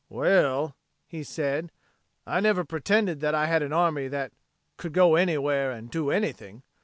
"Well," he said, "I never pretended I had an army that 'could go anywhere and do anything!'